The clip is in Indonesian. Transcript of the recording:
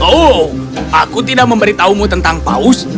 oh aku tidak memberitahumu tentang paus